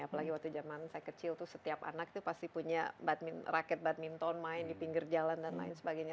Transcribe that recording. apalagi waktu zaman saya kecil tuh setiap anak itu pasti punya rakyat badminton main di pinggir jalan dan lain sebagainya